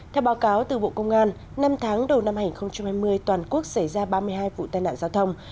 theo báo cáo từ bộ công an năm tháng đầu năm hai nghìn hai mươi toàn quốc xảy ra ba mươi hai vụ tai nạn giao thông